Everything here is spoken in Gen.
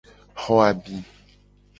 Xo abi.